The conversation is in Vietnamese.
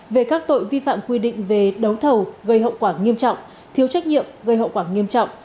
về các tội vi phạm quy định về đấu thầu gây hậu quả nghiêm trọng thiếu trách nhiệm gây hậu quả nghiêm trọng